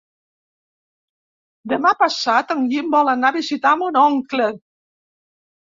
Demà passat en Guim vol anar a visitar mon oncle.